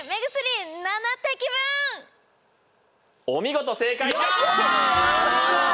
お見事正解です。